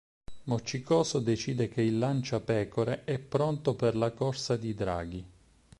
Moccicoso decide che il Lancia Pecore è pronto per la corsa di draghi.